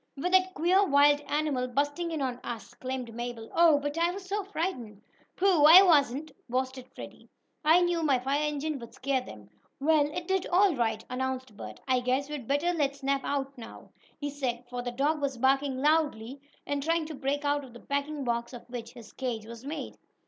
With that queer wild animal bursting in on us!" exclaimed Mabel. "Oh, but I was so frightened!" "Pooh! I wasn't!" boasted Freddie. "I knew my fire engine would scare them." "Well, it did all right," announced Bert "I guess we'd better let Snap out now," he said, for the dog was barking loudly, and trying to break out of the packing box of which his cage was made.